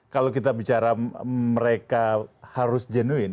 kalau kita bicara mereka harus jenuin